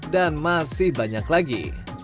dan masih banyak lagi